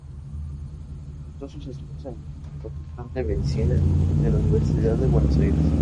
Cursó sus estudios en la Facultad de Medicina de la Universidad de Buenos Aires.